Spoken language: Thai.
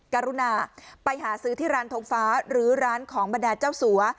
กรุณาไปหาซื้อที่ร้านทงฟ้าหรือร้านของบรรดาเจ้าสัว